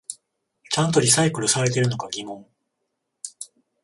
ちゃんとリサイクルされてるのか疑問